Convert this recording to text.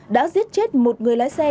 đã giết chết một người lái xe